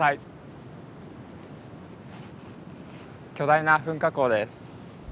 巨大な噴火口です。